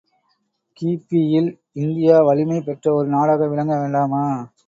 கி.பி.இல் India வலிமை பெற்ற ஒரு நாடாக விளங்க வேண்டாமா?